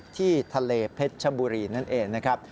ที่ทะเลเพชรชบุรีนั่นเองนะครับ